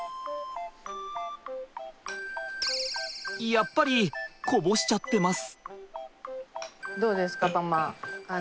やっぱりこぼしちゃってます。